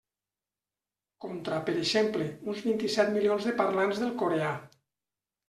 Contra, per exemple, uns vint-i-set milions de parlants del coreà.